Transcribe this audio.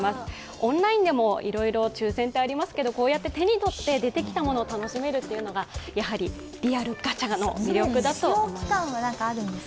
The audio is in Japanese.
オンラインでもいろいろ抽選ってありますけど、こうやって手に取って出てきたものを楽しめるというのがやはりリアルガチャの魅力だと思います。